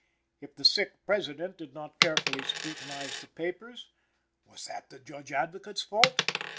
If the sick President did not carefully scrutinize the papers, was that the Judge Advocate's fault?